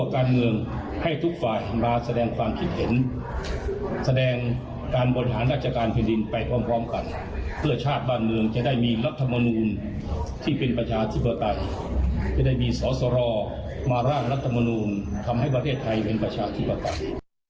ที่เป็นประชาธิปไตยจะได้มีสอสรมาราชรัฐธรรมนุนทำให้ประเทศไทยเป็นประชาธิปไตย